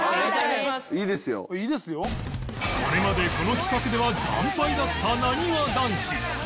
これまでこの企画では惨敗だったなにわ男子